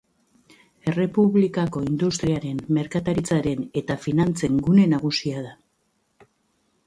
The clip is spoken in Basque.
Errepublikako industriaren, merkataritzaren eta finantzen gune nagusia da.